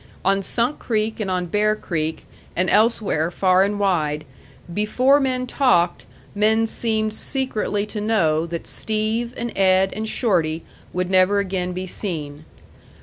On Sunk Creek and on Bear Creek, and elsewhere far and wide, before men talked men seemed secretly to know that Steve, and Ed, and Shorty, would never again be seen.